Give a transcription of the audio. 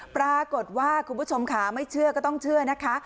คุณผู้ชมค่ะไม่เชื่อก็ต้องเชื่อนะคะ